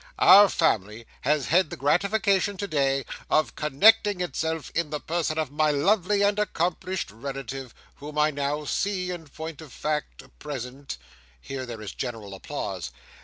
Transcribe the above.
our family has had the gratification, today, of connecting itself, in the person of my lovely and accomplished relative, whom I now see—in point of fact, present—" Here there is general applause.